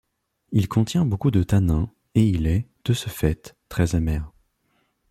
Il contient beaucoup de tanins et il est, de ce fait, très amer.